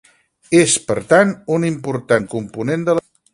És, per tant, un important component de la dieta.